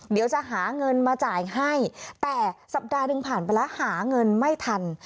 เดี๋ยวจะหาเงินมาจ่ายให้แต่สัปดาห์หนึ่งผ่านไปแล้วหาเงินไม่ทัน